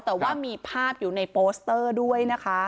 แต่ว่ามีภาพอยู่ในโปสเตอร์ด้วยนะคะ